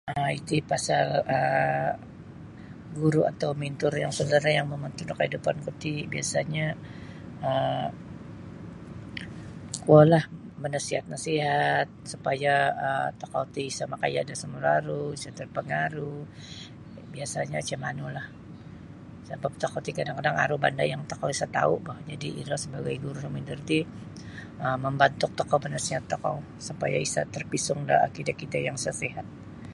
um iti pasal um guru' atau mentor yang saudara' yang mombontuk da kaidupan ku ti biasanya' um kuolah manasihat -nasihat supaya um tokou ti isa makaaya' da samaru-aru' isa' terpangaruh biasanyo macam manulah sabap tokou ti kadang-kadang aru banda' yang tokou isa' tau' bah jadi' iro sabagai guru dan mentor ti um mombantuk tokou manasihat tokou supaya isa' terpesong da akidah kita yang isa' sihat.